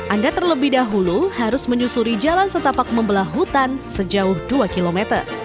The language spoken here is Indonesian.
anda terlebih dahulu harus menyusuri jalan setapak membelah hutan sejauh dua km